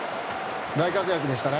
大活躍でしたね。